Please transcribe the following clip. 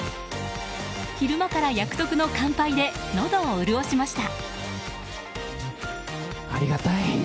昼間から役得の乾杯でのどを潤しました。